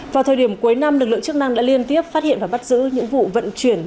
vào thời điểm cuối năm lực lượng chức năng đã liên tiếp phát hiện và bắt giữ những vụ vận chuyển